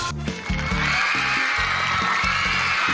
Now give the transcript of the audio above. สวัสดีครับ